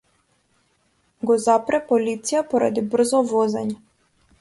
Го запре полиција поради брзо возење.